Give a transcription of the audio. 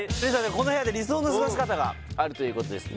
この部屋で理想の過ごし方があるということですね